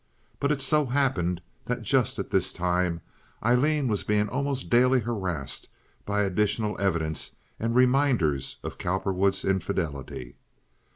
But it so happened that just at this time Aileen was being almost daily harassed by additional evidence and reminders of Cowperwood's infidelity.